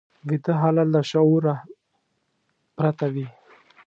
ویده حالت له شعور پرته وي